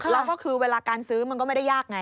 แล้วก็คือเวลาการซื้อมันก็ไม่ได้ยากไง